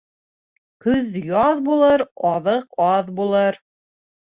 Көҙ яҙ булыр, аҙыҡ аҙ булыр.